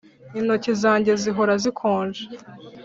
Intoki zanjye zihora zikonje